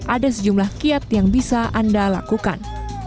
ada sejumlah kiat yang bisa anda lakukan